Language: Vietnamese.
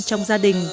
trong gia đình